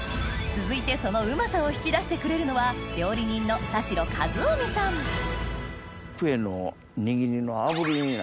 続いてそのうまさを引き出してくれるのはクエの握りの炙りに。